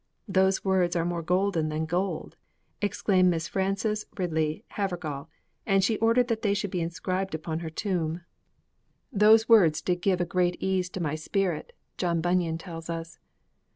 'Those words are more golden than gold!' exclaimed Miss Frances Ridley Havergal, and she ordered that they should be inscribed upon her tomb. 'Those words did give a great ease to my spirit!' John Bunyan tells us.